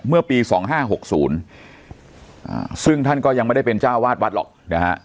เมื่อปีสองห้าสามศูนย์ซึ่งท่านก็ยังไม่ได้เป็นจ้าวาสวัดหรอกนะฮะ